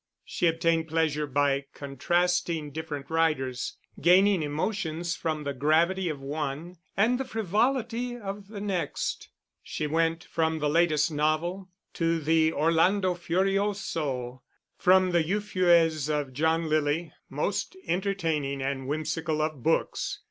She obtained pleasure by contrasting different writers, gaining emotions from the gravity of one and the frivolity of the next. She went from the latest novel to the Orlando Furioso, from the Euphues of John Lyly (most entertaining and whimsical of books!)